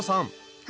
はい。